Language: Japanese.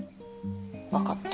わかった。